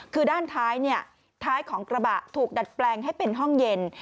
คือด้านท้ายของกระบะถูกดัดแปลงให้เป็นห้องเย็น